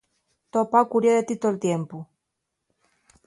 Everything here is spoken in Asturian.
To pá curia de ti tol tiempu.